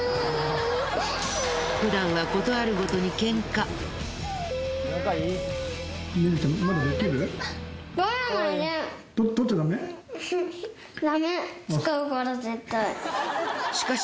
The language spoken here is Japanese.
ふだんは事あるごとにしかし